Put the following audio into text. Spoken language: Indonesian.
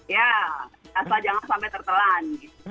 ya asal jangan sampai tertelan